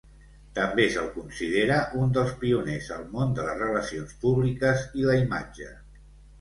També se'l considera un dels pioners al món de les relacions públiques i la imatge.